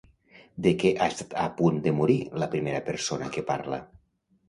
De què ha estat a punt de morir la primera persona que parla?